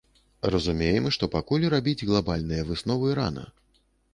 Разумеем, што пакуль рабіць глабальныя высновы рана.